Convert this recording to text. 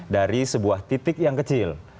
dari sebuah titik yang kecil